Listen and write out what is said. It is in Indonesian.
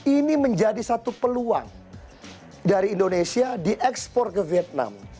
ini menjadi satu peluang dari indonesia diekspor ke vietnam